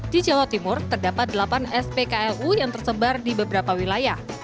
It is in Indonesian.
di jawa timur terdapat delapan spklu yang tersebar di beberapa wilayah